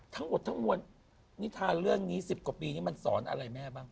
ทั้งหมดทั้งมวลนิทานเรื่องนี้๑๐กว่าปีนี้มันสอนอะไรแม่บ้าง